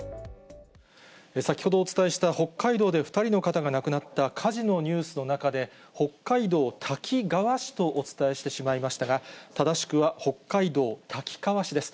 先ほどお伝えした北海道で２人の方が亡くなった火事のニュースの中で、北海道たきがわしとお伝えしてしまいましたが、正しくは北海道たきかわしです。